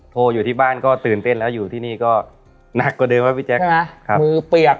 อยู่ที่บ้านก็ตื่นเต้นแล้วอยู่ที่นี่ก็หนักกว่าเดิมครับพี่แจ๊คมือเปียก